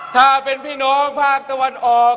ถ้าเป็นพี่น้องภาคตะวันออก